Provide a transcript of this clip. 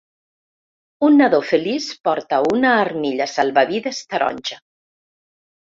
Un nadó feliç porta una armilla salvavides taronja.